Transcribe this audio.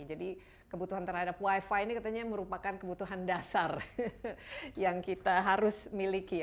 jadi kebutuhan terhadap wifi ini katanya merupakan kebutuhan dasar yang kita harus miliki